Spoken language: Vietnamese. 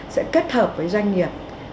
sẽ kết hợp với doanh nghiệp